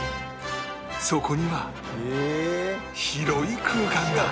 そこには広い空間が！